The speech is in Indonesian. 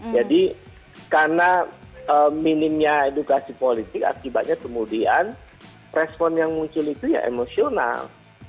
jadi karena minimnya edukasi politik akibatnya kemudian respon yang muncul itu ya emosional